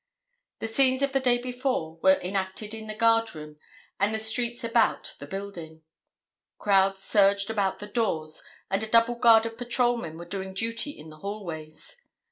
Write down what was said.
The scenes of the day before were enacted in the guard room and the streets about the building. Crowds surged about the doors and a double guard of patrolmen were doing duty in the hallways.